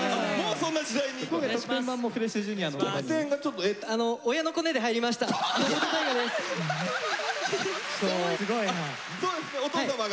そうですねお父様が。